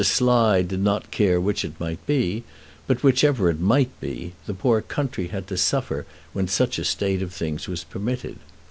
Slide did not care which it might be, but, whichever it might be, the poor country had to suffer when such a state of things was permitted.